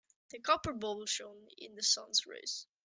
The copper bowl shone in the sun's rays.